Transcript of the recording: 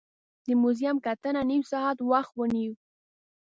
د موزیم کتنه نیم ساعت وخت ونیو.